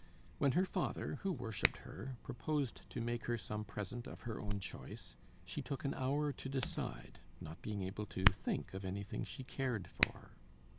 When her father, who worshipped her, proposed to make her some present of her own choice, she took an hour to decide, not being able to think of anything she cared for.